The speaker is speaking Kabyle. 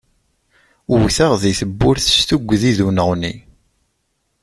Wwteɣ di tewwurt s tuggdi d uneɣni.